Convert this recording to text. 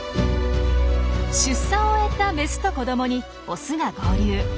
出産を終えたメスと子どもにオスが合流。